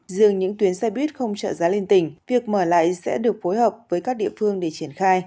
riêng những tuyến xe buýt không trợ giá liên tỉnh việc mở lại sẽ được phối hợp với các địa phương để triển khai